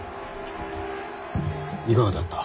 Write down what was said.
いかがであった。